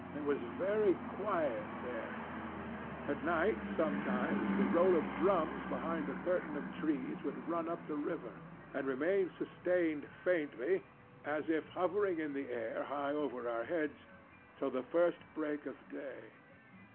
It was very quiet there. At night sometimes the roll of drums behind the curtain of trees would run up the river and remain sustained faintly, as if hovering in the air high over our heads, till the first break of day.